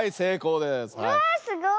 わすごい。